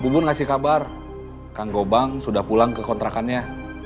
bubun ngasih kabar kang gobang sudah pulang ke kontrakannya